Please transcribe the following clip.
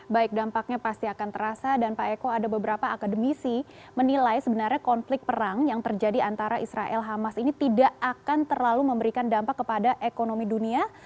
baik dampaknya pasti akan terasa dan pak eko ada beberapa akademisi menilai sebenarnya konflik perang yang terjadi antara israel hamas ini tidak akan terlalu memberikan dampak kepada ekonomi dunia